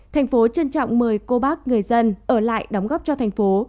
thành phố trân trọng mời cô bác người dân ở lại đóng góp cho thành phố